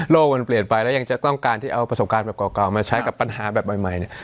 มันเปลี่ยนไปแล้วยังจะต้องการที่เอาประสบการณ์แบบเก่ามาใช้กับปัญหาแบบใหม่เนี่ย